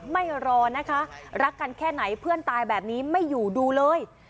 ไม่รอนะคะรักกันแค่ไหนเพื่อนตายแบบนี้ไม่อยู่ดูเลย